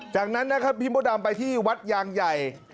จากนั้นนะครับพี่มดดำไปที่วัดยางใหญ่